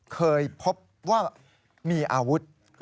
เคยพบว่ามีอาวุธ